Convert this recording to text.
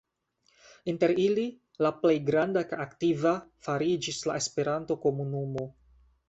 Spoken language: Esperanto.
Inter ili la plej granda kaj aktiva fariĝis la Esperanto-komunumo.